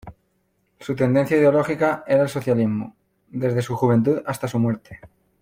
Su tendencia ideológica era el socialismo, desde su juventud hasta su muerte.